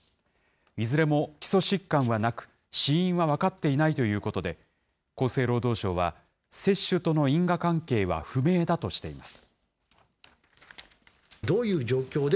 いずれも基礎疾患はなく、死因は分かっていないということで、厚生労働省は、接種との因果関係は不明だとしています。